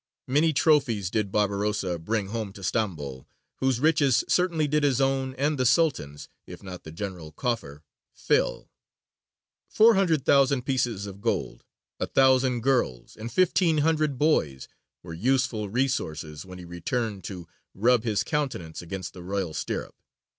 Many trophies did Barbarossa bring home to Stambol, whose riches certainly did his own and the Sultan's, if not "the general coffer, fill." Four hundred thousand pieces of gold, a thousand girls, and fifteen hundred boys, were useful resources when he returned to "rub his countenance against the royal stirrup."